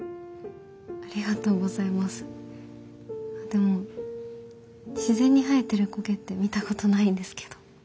でも自然に生えてる苔って見たことないんですけど。